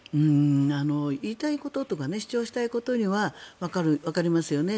言いたいこと主張したいことはわかりますよね。